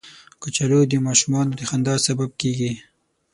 کچالو د ماشومانو د خندا سبب کېږي